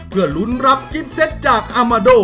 เพื่อลุ้นรับกิฟเซตจากอามาโด